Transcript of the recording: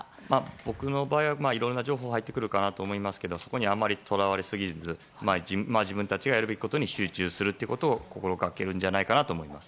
僕の場合はいろいろな情報が入ってくるかなと思いますがそこにはあまりこだわりすぎず自分たちがやるべきことに集中することを心がけるんじゃないかと思います。